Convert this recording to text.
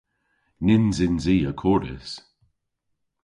Nyns yns i akordys.